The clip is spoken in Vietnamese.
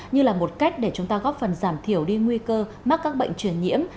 như là một cách để chúng ta góp phần giảm thiểu đi nguy cơ mắc các bệnh truyền nhiễm